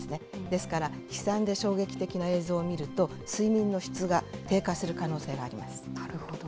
ですから、悲惨で衝撃的な映像を見ると、睡眠の質が低下する可能なるほど。